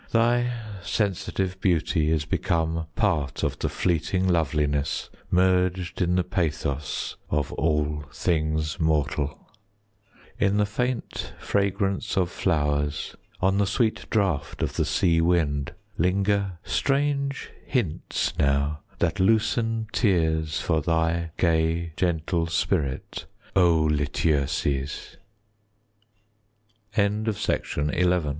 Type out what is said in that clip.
Thy sensitive beauty Is become part of the fleeting Loveliness, merged in the pathos Of all things mortal. 50 In the faint fragrance of flowers, On the sweet draft of the sea wind, Linger strange hints now that loosen Tears for thy gay gentle spirit, O